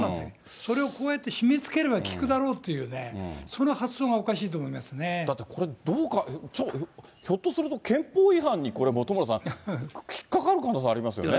それをこうやって締めつければ聞くだろうっていうね、その発想がだって、ひょっとすると、憲法違反にこれ、本村さん、引っかかる可能性ありますよね。